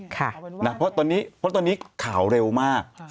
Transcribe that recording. ค่ะนะเพราะตอนนี้ข่าวเร็วมาก